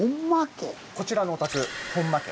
こちらのお宅本間家。